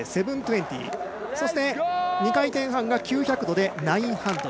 そして、２回転半が９００度で９００。